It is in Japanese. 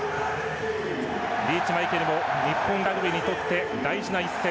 リーチマイケルも日本ラグビーにとって大事な一戦。